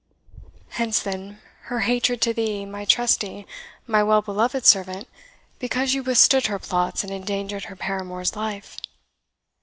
Hence, then, her hatred to thee, my trusty, my well beloved servant, because you withstood her plots, and endangered her paramour's life!"